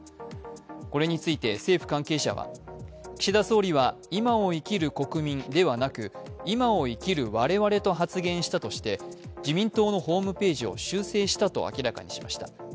これについて政府関係者は、岸田総理は今を生きる国民ではなく今を生きる我々と発言したとして自民党のホームページを修正したと明らかにしました。